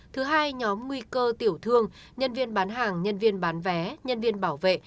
thứ hai nhóm nguy cơ tiểu thương nhân viên bán hàng nhân viên bán vé nhân viên bảo vệ